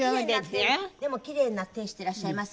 でもキレイな手してらっしゃいますよね。